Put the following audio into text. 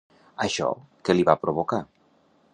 Això que li va provocar?